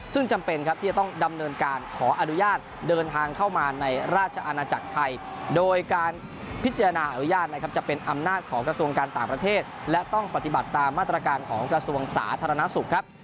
ซึ่งจำเป็นครับที่จะต้องดำเนินการขออนุญาตเดินทางเข้ามาในราชอาณาจักรไทยโดยการพิจารณาอนุญาตนะครับจะเป็นอำนาจของกระทรวงการต่างประเทศและต้องปฏิบัติตามมาตรการของกระทรวงสาธารณสุขครับ